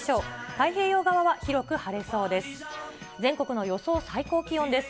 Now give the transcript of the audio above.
太平洋側は広く晴れそうです。